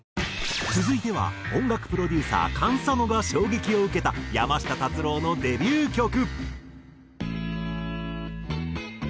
続いては音楽プロデューサーＫａｎＳａｎｏが衝撃を受けた山下達郎のデビュー曲。